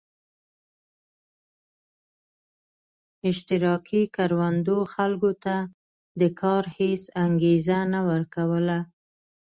اشتراکي کروندو خلکو ته د کار هېڅ انګېزه نه ورکوله